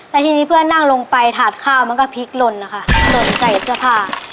แล้วทีนี้เพื่อนนั่งลงไปถาดข้าวมันก็พลิกลนอะค่ะลดใส่สภาพ